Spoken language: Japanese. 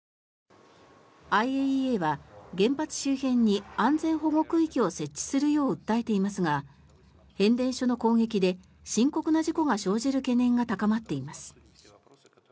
ＩＡＥＡは原発周辺に安全保護区域を設置するよう訴えていますが変電所の攻撃で深刻な事故が生じる懸念が高まっています。